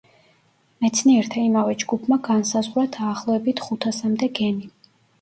მეცნიერთა იმავე ჯგუფმა განსაზღვრა დაახლოებით ხუთასამდე გენი.